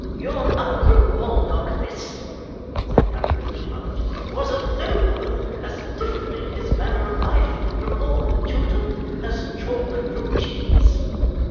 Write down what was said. "Your uncle Baldock, miss," said the outraged aunt, "was a nobleman as different in his manner of life from Lord Chiltern as chalk from cheese."